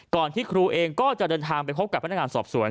ที่ครูเองก็จะเดินทางไปพบกับพนักงานสอบสวน